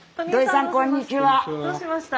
どうしました？